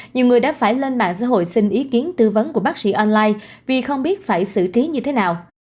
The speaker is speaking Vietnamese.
nhiều người đã phải lên mạng xã hội xin ý kiến tư vấn của bác sĩ online vì không biết phải xử trí như thế nào